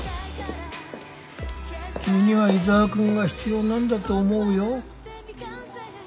君には井沢君が必要なんだと思うよ。